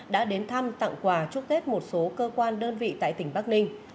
đã đến thăm tặng quà chúc tết một số cơ quan đơn vị tại tỉnh bắc ninh